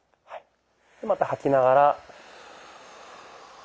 また吐きながら。